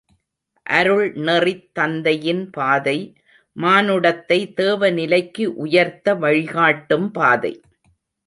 அருள் நெறித் தந்தையின் பாதை, மானுடத்தை தேவநிலைக்கு உயர்த்த வழிகாட்டும் பாதை.